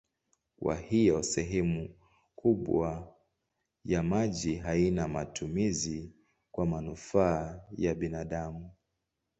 Kwa hiyo sehemu kubwa ya maji haina matumizi kwa manufaa ya binadamu.